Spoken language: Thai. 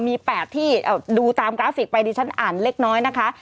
มี๘ที่ดูตามกราฟิกไปดิฉันอ่านเล็กน้อยนะคะ